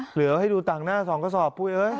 เหลือให้ดูต่างหน้า๒กระสอบ